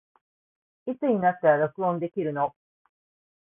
いつになったら録音できるの